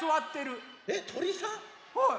はい。